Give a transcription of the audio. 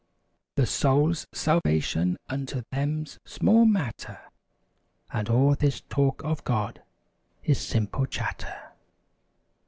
The soul's salvation unto them's small matter. And all this talk of God is simple chatter.